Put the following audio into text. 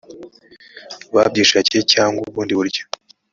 babyishakiye cyangwa ubundi buryo